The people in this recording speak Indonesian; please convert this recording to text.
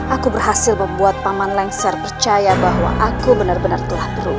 aku berhasil membuat paman lengser percaya bahwa aku benar benar telah berubah